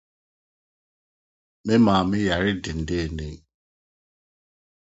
Me maame yare denneennen.